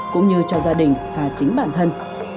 cũng như cho gia đình và chính bản thân